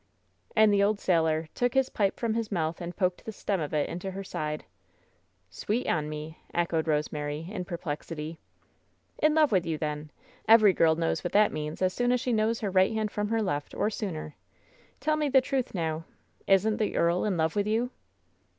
And the old sailor took his pipe from his mouth and poked the stem of it into her side. " ^Sweet on me?' " echoed Eosemary, in perplexity. "In love with you, then. Every girl knows what that means as soon as she knows her right hand from her left. WHEN SHADOWS DDE 66 ©r sooner. Tell me the truth, now — isn't the earl in love with you?"